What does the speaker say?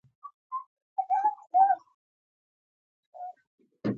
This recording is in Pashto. لازمه ده چې د دولت لاسپوڅې نه وي.